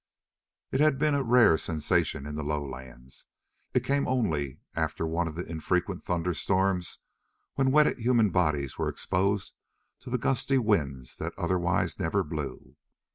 It had been a rare sensation in the lowlands. It came only after one of the infrequent thunderstorms, when wetted human bodies were exposed to the gusty winds that otherwise never blew.